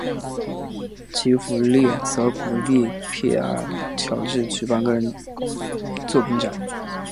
吉福利则鼓励皮耶尔乔治举办个人作品展。